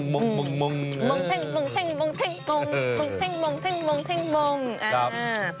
มงรับ